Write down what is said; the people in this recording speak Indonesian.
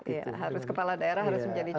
harus kepala daerah harus menjadi contoh